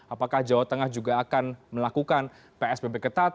apakah jawa tengah juga akan melakukan psbb ketat